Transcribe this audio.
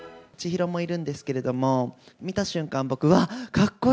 千尋もいるんですけれども、見た瞬間、僕、わっ！